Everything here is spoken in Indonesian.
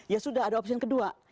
ya sudah ada opsi yang kedua